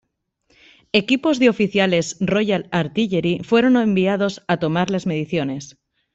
Equipos de oficiales Royal Artillery fueron enviados a tomar las mediciones.